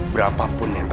berapapun yang takut